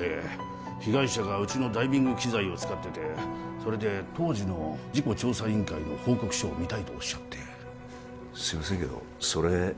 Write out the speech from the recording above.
ええ被害者がうちのダイビング器材を使っててそれで当時の事故調査委員会の報告書を見たいとおっしゃってすいませんけどそれ